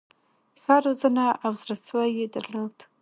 ښه روزنه او زړه سوی یې درلود.